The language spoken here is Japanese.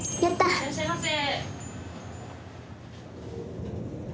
・いらっしゃいませ。